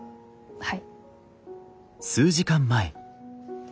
はい。